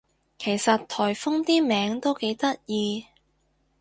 其實颱風啲名都幾得意